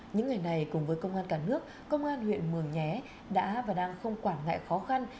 những ngày này cùng với công an cả nước công an huyện mường nhé đã và đang không quản ngại khó khăn